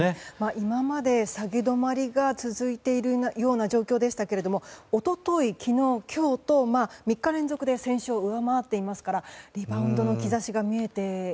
今まで下げ止まりが続いているような状況でしたが一昨日、昨日、今日と３日連続で先週を上回っていますからリバウンドの兆しが見えているという。